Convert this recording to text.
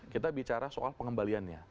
kita bicara soal pengembaliannya